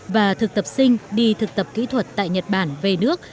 và thực tập sinh đi thực tập kỹ thuật tại nhật bản về nước